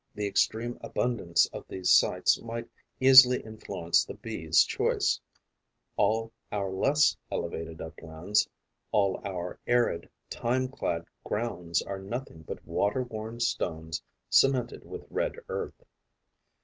The extreme abundance of these sites might easily influence the Bee's choice: all our less elevated uplands, all our arid, thyme clad grounds are nothing but water worn stones cemented with red earth.